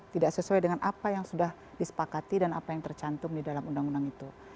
tidak sesuai dengan apa yang sudah disepakati dan apa yang tercantum di dalam undang undang itu